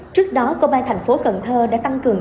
trước đó công an thành phố cần thơ đã tăng cường